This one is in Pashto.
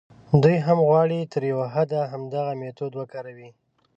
دوی هم غواړي تر یوه حده همدغه میتود وکاروي.